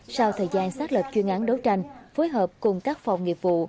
sau thời gian xác lập chuyên án đấu tranh phối hợp cùng các phòng nghiệp vụ